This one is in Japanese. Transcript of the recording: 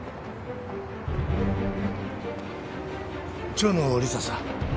蝶野里沙さん。